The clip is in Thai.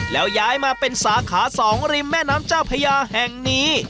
แล้วย้ายมาเป็นสาขา๒ริมแม่น้ำเจ้าพญาแห่งนี้